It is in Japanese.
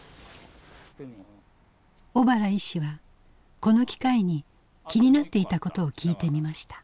小原医師はこの機会に気になっていたことを聞いてみました。